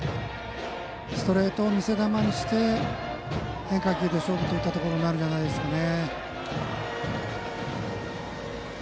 ストレートを見せ球にして変化球で勝負ということになるんじゃないでしょうかね。